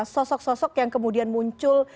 sosok sosok yang kemudian muncul